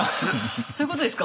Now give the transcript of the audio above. そういうことですか？